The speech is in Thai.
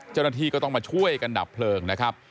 จนถีก็ต้องมาช่วยกันดับเพลิงนะครับ